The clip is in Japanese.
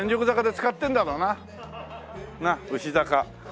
なっ牛坂。